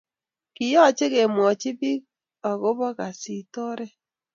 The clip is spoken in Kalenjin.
Kiyache kimwachi pik ako bo kasit oret